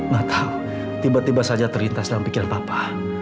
gak tahu tiba tiba saja terintas dalam pikiran papa